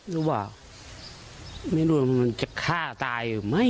ไม่รู้ว่าไม่รู้ว่ามันจะฆ่าตายหรือไม่